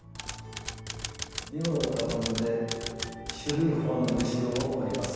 身ごろを畳んで広い方の縫いしろを折ります。